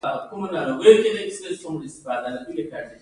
چې زنانه دې روزانه د ملا مضبوطولو دوه